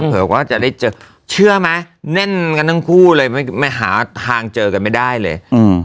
เผื่อว่าจะได้เจอเชื่อไหมแน่นกันทั้งคู่เลยไม่หาทางเจอกันไม่ได้เลย